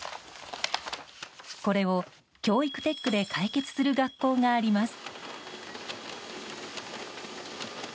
これを教育テックで解決する学校があります。